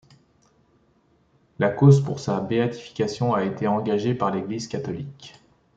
La cause pour sa béatification a été engagé par l'Église catholique.